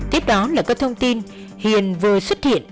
tiếp đó là các thông tin hiền vừa xuất hiện